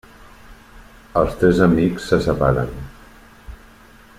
Els tres amics se separen.